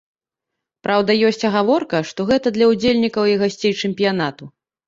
Праўда, ёсць агаворка, што гэта для ўдзельнікаў і гасцей чэмпіянату.